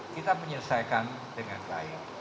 kita menyelesaikan dengan baik